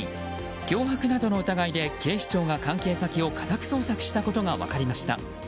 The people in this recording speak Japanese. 脅迫などの疑いで警視庁が関係先を家宅捜索したことが分かりました。